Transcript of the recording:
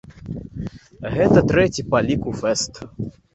Гэта трэці па ліку фэст.